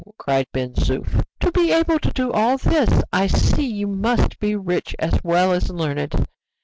cried Ben Zoof; "to be able to do all this I see you must be rich as well as learned."